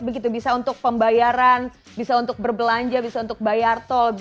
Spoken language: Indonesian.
begitu bisa untuk pembayaran bisa untuk berbelanja bisa untuk bayar tol